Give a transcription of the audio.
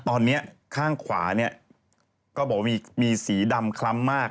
ตอนนี้ข้างขวาเนี่ยก็บอกว่ามีสีดำคล้ำมาก